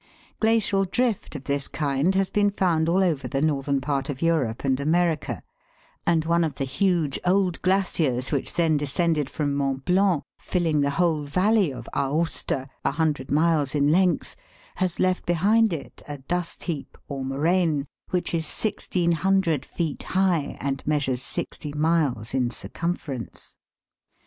Glacial drift of this kind has been found all over the northern part of Europe and America, and one of the huge old glaciers which then descended from Mont Blanc, filling the whole valley of Aosta, a hundred miles in length, has left behind it a " dust heap," or moraine, which is 1,600 feet high, and measures sixty miles in cir cumference.